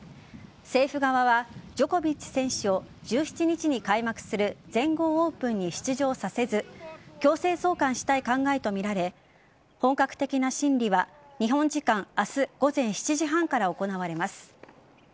政府側はジョコビッチ選手を１７日に開幕する全豪オープンに出場させず強制送還したい考えとみられ本格的な審理は日本時間明日午前７時半から行われます。